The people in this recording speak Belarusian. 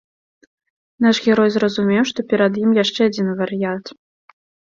Наш герой зразумеў, што перад ім яшчэ адзін вар'ят.